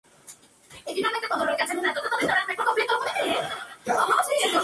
Fue el último álbum, a la fecha, con Ed Carlson en la guitarra.